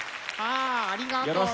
あありがとう。